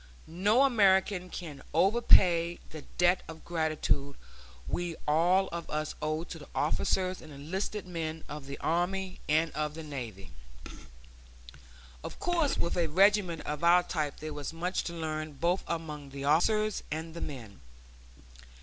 No American can overpay the debt of gratitude we all of us owe to the officers and enlisted men of the army and of the navy. Of course with a regiment of our type there was much to learn both among the officers and the men.